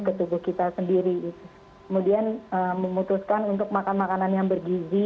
ke tubuh kita sendiri kemudian memutuskan untuk makan makanan yang bergizi